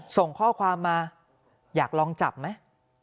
ส่งข้อความมาอยากลองจับไหม